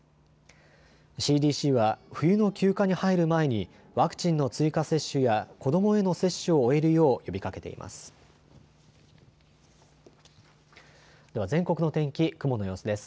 ＣＤＣは冬の休暇に入る前にワクチンの追加接種や子どもへの接種を終えるよう呼びかけています。